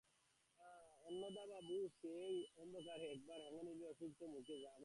অন্নদাবাবু সেই অন্ধকারে একবার হেমনলিনীর অশ্রুসিক্ত মুখে হাত বুলাইয়া তাহার মস্তক স্পর্শ করিলেন।